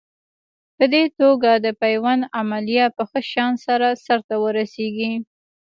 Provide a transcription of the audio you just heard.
په دې توګه د پیوند عملیه په ښه شان سر ته ورسېږي.